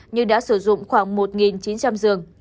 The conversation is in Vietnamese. như đã sử dụng khoảng một chín trăm linh giường